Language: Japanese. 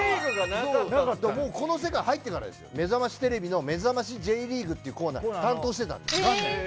この世界入ってからですよ『めざましテレビ』のめざましＪリーグっていうコーナー担当してたんです。